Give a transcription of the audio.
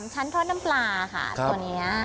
๓ชั้นน้ำปลาค่ะตัวนี้